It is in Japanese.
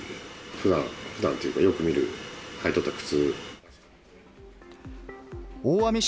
ふだん、ふだんっていうか、よく見る履いとった靴。